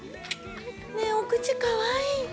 ねえ、お口かわいい。